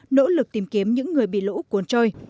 nỗ lực tìm kiếm những người bị lũ cuốn trôi